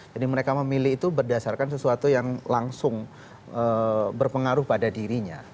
jadi mereka memilih itu berdasarkan sesuatu yang langsung berpengaruh pada dirinya